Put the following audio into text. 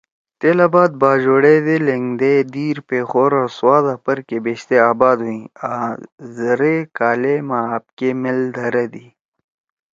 تیلا بعد باجوڑ ئے دے لھینگدے دیر، پیخور او سواتا پرکے بیشتے آباد ہُوئی آں زرأ کالے ما ہابکے میل دھرَدی۔